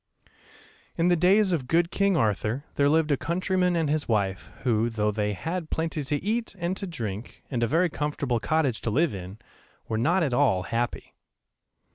In the days of good king Arthur there lived a countryman and his wife who, though they had plenty to eat and to drink, and a very comfortable cottage to live in, were not at all happy.